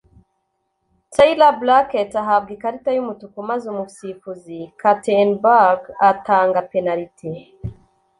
Tyler Blackett ahabwa ikarita y’umutuku maze umusifuzi Clattenburg atanga penaliti